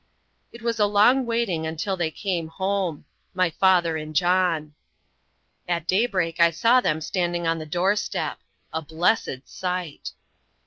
It was a long waiting until they came home my father and John. At daybreak I saw them standing on the doorstep. A blessed sight!